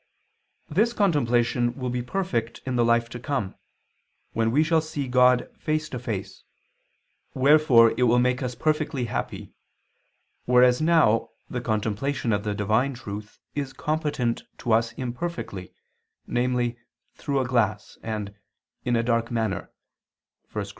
This contemplation will be perfect in the life to come, when we shall see God face to face, wherefore it will make us perfectly happy: whereas now the contemplation of the divine truth is competent to us imperfectly, namely "through a glass" and "in a dark manner" (1 Cor.